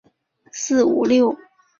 本曲共分为四个乐章。